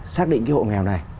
xác định cái hộ nghèo này